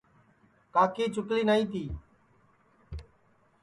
کاکی چُکلی نائی تی